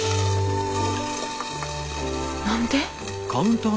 何で？